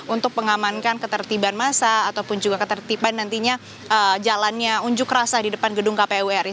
untuk mengamankan ketertiban masa ataupun juga ketertiban nantinya jalannya unjuk rasa di depan gedung kpu ri